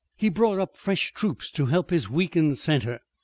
He brought up fresh troops to help his weakened center.